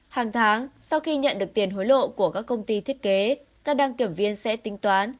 hàng tháng sau khi nhận được tiền hối lộ của các công ty thiết kế các đăng kiểm viên sẽ tính toán